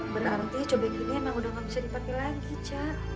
berarti cobek ini emang udah gak bisa dipakai lagi cak